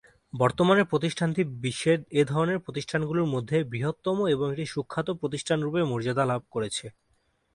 বর্তমানে প্রতিষ্ঠানটি বিশ্বের এধরনের প্রতিষ্ঠানগুলির মধ্যে বৃহত্তম এবং একটি সুখ্যাত প্রতিষ্ঠানরূপে মর্যাদা লাভ করেছে।